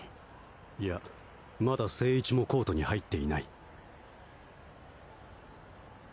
いやまだ精市もコートに入っていない。